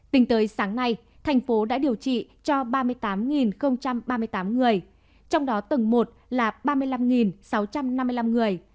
tính tới sáng nay thành phố đã điều trị cho ba mươi tám ba mươi tám người trong đó tầng một là ba mươi năm sáu trăm năm mươi năm người